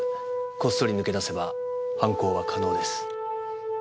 こっそり抜け出せば犯行は可能です。